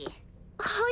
はい？